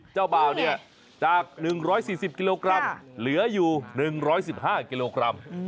เจ้าบ่าวเนี่ยจาก๑๔๐กิโลกรัมเหลืออยู่๑๑๕กิโลกรัม